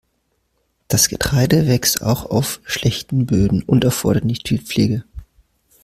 Das Getreide wächst auch auf schlechten Böden und erfordert nicht viel Pflege.